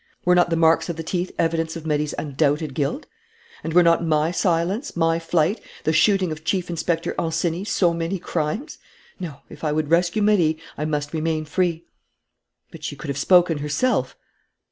Were not the marks of the teeth evidence of Marie's undoubted guilt? And were not my silence, my flight, the shooting of Chief Inspector Ancenis so many crimes? No, if I would rescue Marie, I must remain free." "But she could have spoken herself?"